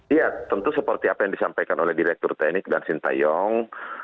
iya tentu seperti apa yang disampaikan oleh direktur teknik dan sintayong